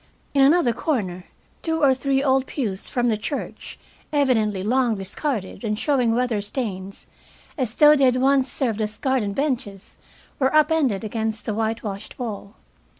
In another corner two or three old pews from the church, evidently long discarded and showing weather stains, as though they had once served as garden benches, were up ended against the whitewashed wall.